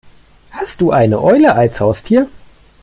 Hast du eine Eule als Haustier?